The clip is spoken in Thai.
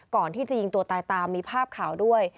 ก่อนที่จะยิงตัวตายตามมีภาพข่าวด้วย